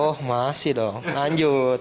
oh masih dong lanjut